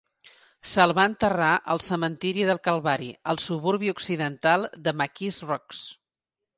Se'l va enterrar al cementeri del Calvari, al suburbi occidental de McKees Rocks.